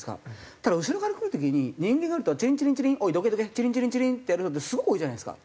ただ後ろから来る時に人間がいるとチリンチリンチリン「おいどけどけ」チリンチリンチリンってやるのってすごく多いじゃないですか。